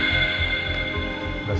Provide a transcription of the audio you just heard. ini kompuni baru nih